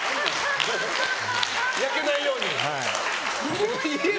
焼けないように？